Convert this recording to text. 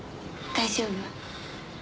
大丈夫。